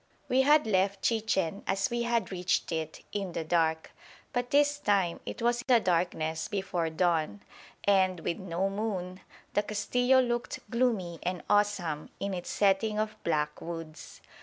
We had left Chichen, as we had reached it, in the dark. But this time it was the darkness before dawn, and, with no moon, the Castillo looked gloomy and awesome in its setting of black woods.